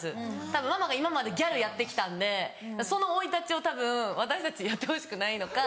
たぶんママが今までギャルやって来たんでその生い立ちをたぶん私たちにやってほしくないのか。